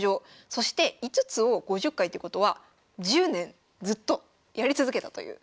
そして５つを５０回ってことは１０年ずっとやり続けたという。